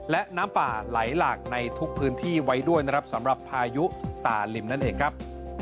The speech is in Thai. และน้ำป่าไหลหลากในทุกพื้นที่ไว้ด้วยนะครับสำหรับพายุตาลิมนั่นเองครับ